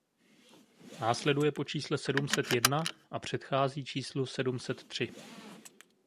Následuje po čísle sedm set jedna a předchází číslu sedm set tři.